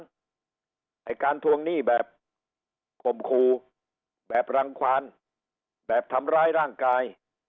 ไอ้การทวงหนี้แบบข่มครูแบบรังความแบบทำร้ายร่างกาย